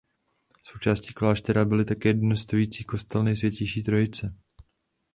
Součástí kláštera byl také dodnes stojící kostel Nejsvětější trojice.